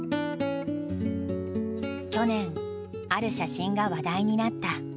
去年ある写真が話題になった。